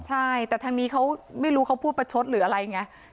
ใช่แต่ทางนี้เขาไม่รู้เขาพูดประชดหรืออะไรไง